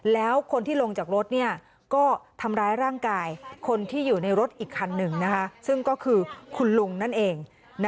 แล้วคนที่ลงจากรถก็ทำร้ายร่างกายคนที่อยู่ในรถอีกคันหนึ่งซึ่งก็คือคุณลุงนั่นเอง